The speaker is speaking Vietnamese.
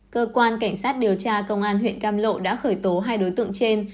cơ quan cảnh sát điều tra công an huyện cam lộ đã khởi tố hai đối tượng trên